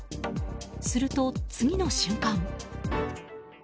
すると、次の瞬間。